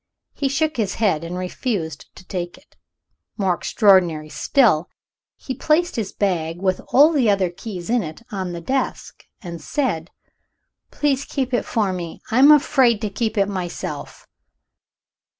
He shook his head, and refused to take it. More extraordinary still, he placed his bag, with all the other keys in it, on the desk, and said, "Please keep it for me; I'm afraid to keep it myself."